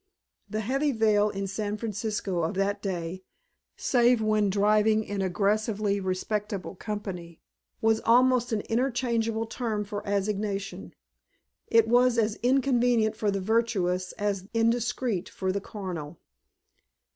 The heavy veil in the San Francisco of that day, save when driving in aggressively respectable company, was almost an interchangeable term for assignation. It was as inconvenient for the virtuous as indiscreet for the carnal.